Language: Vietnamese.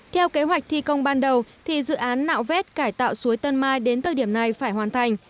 theo kế hoạch thi công ban đầu dự án nạo vét cải tạo suối tân mai đến thời điểm này phải hoàn thành